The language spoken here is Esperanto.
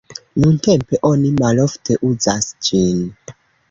Nuntempe oni malofte uzas ĝin.